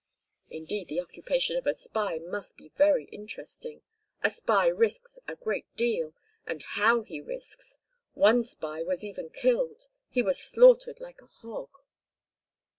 "Indeed, the occupation of a spy must be very interesting. A spy risks a great deal, and how he risks! One spy was even killed! He was slaughtered like a hog!"